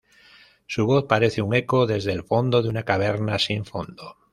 Su voz parece un eco desde el fondo de una caverna sin fondo.